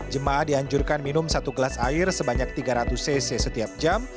jemaah dianjurkan minum satu gelas air sebanyak tiga ratus cc setiap jam